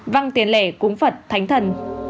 văng tiền lẻ cúng phật thánh thần